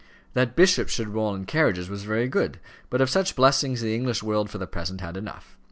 That bishops should roll in carriages was very good; but of such blessings the English world for the present had enough.